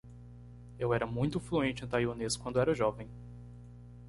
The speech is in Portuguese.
Eu era muito fluente em taiwanês quando era jovem.